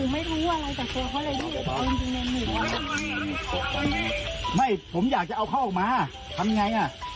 ผมไม่ผมอยากจะเอาเขาออกมาทำไงอ่ะ